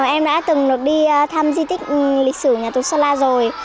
em đã từng được đi thăm di tích lịch sử nhà tù sơn la rồi